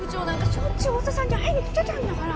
しょっちゅう太田さんに会いに来てたんだから